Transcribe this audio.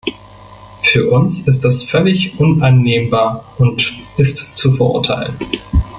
Für uns ist das völlig unannehmbar und ist zu verurteilen.